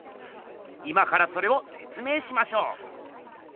今からそれをせつ明しましょう。